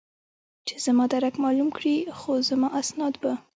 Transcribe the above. چې زما درک معلوم کړي، خو زما اسناد به.